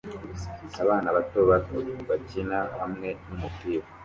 Abana bato bato bakina hamwe numupira